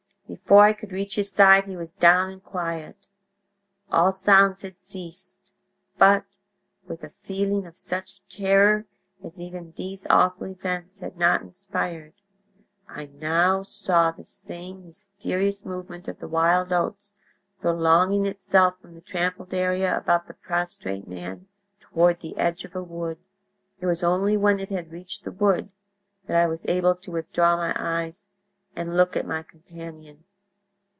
Before I could reach his side he was down and quiet. All sounds had ceased, but, with a feeling of such terror as even these awful events had not inspired, I now saw the same mysterious movement of the wild oats prolonging itself from the trampled area about the prostrate man toward the edge of a wood. It was only when it had reached the wood that I was able to withdraw my eyes and look at my companion.